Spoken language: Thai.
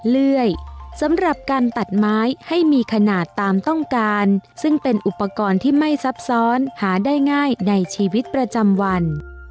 เลื่อยสำหรับการตัดไม้ให้มีขนาดตามต้องการซึ่งเป็นอุปกรณ์ที่ไม่ซับซ้อนหาได้ง่ายในชีวิตประจำวัน